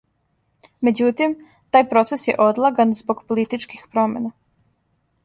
Међутим, тај процес је одлаган због политичких промена.